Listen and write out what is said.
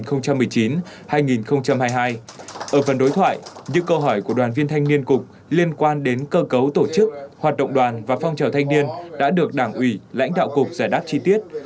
ở phần đối thoại những câu hỏi của đoàn viên thanh niên cục liên quan đến cơ cấu tổ chức hoạt động đoàn và phong trào thanh niên đã được đảng ủy lãnh đạo cục giải đáp chi tiết